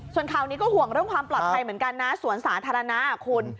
ส่วนข่าวนี้ก็ห่วงเรื่องความปลอดภัยเหมือนกันนะสวนสาธารณะคุณ